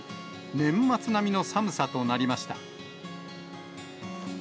年末並みの寒さとなりました。